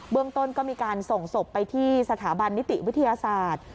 เรื่องต้นก็มีการส่งศพไปที่สถาบันนิติวิทยาศาสตร์